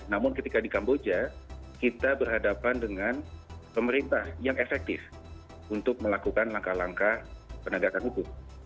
namun ketika di kamboja kita berhadapan dengan pemerintah yang efektif untuk melakukan langkah langkah penegakan hukum